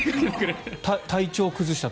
体調を崩した時。